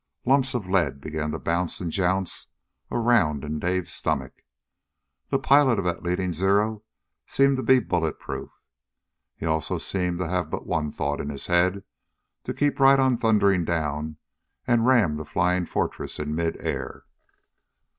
Lumps of lead began to bounce and jounce around in Dawson's stomach. The pilot of that leading Zero seemed to be bullet proof. He also seemed to have but one thought in his head: to keep right on thundering down and ram the Flying Fortress in midair.